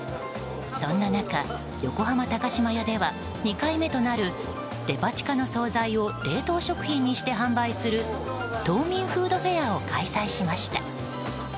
そんな中、横浜高島屋では２回目となるデパ地下の総菜を冷凍食品にして販売する凍眠フードフェアを開催しました。